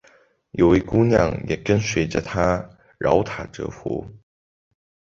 有位姑娘也跟随着他饶塔祈福。